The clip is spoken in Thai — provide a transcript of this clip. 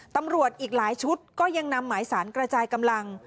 ตำรวจอีกหลายชุดก็ยังนำหมายสารกระจายกำลัง